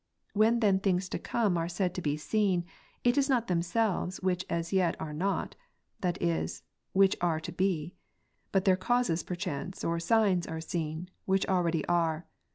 When then things to come are said to be seen, it is not themselves which as yet are not, (that is, which are to be,) but their causes perchance or signs are seen, which already are.